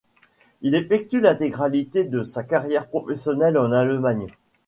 Il effectue l'intégralité de sa carrière professionnelle en Allemagne.